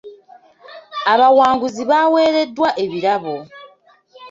Abawanguzi baawereddwa ebirabo.